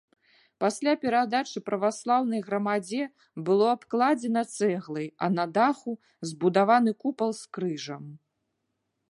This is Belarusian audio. Пасля перадачы праваслаўнай грамадзе было абкладзена цэглай, а на даху збудаваны купал з крыжам.